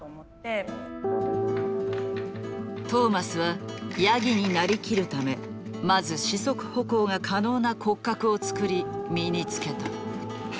トーマスはヤギになりきるためまず四足歩行が可能な骨格を作り身に着けた。